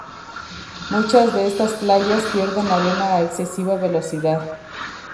Muchas de estas playas pierden arena a excesiva velocidad.